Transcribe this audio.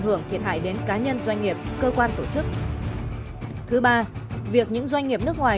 hưởng thiệt hại đến cá nhân doanh nghiệp cơ quan tổ chức thứ ba việc những doanh nghiệp nước ngoài